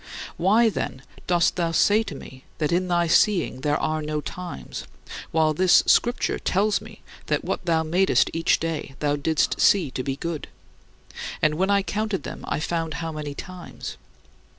Why, then, dost thou say to me that in thy seeing there are no times, while this Scripture tells me that what thou madest each day thou didst see to be good; and when I counted them I found how many 'times'?"